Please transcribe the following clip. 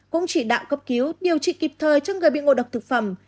cũng chỉ đạo cấp cứu điều trị kịp thời cho người bị ngộ độc thực phẩm